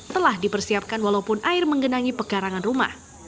telah dipersiapkan walaupun air menggenangi pekarangan rumah